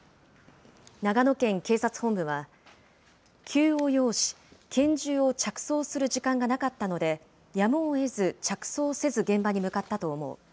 長野県警察本部は、急を要し、拳銃を着装する時間がなかったので、やむをえず着装せず現場に向かったと思う。